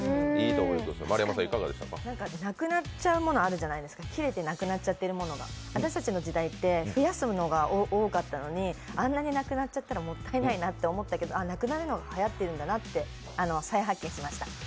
切れてなくなっちゃうものあるじゃないですか、私たちの時代って増やすものが多かったのにあんなになくなっちゃったらもったいないなと思ったけど、なくなるのがはやってるんだなって再発見しました。